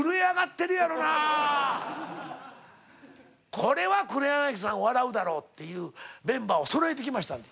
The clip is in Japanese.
これは黒柳さん笑うだろうっていうメンバーをそろえてきましたので。